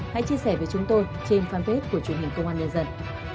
hãy chia sẻ với chúng tôi trên fanpage của truyền hình công an nhân dân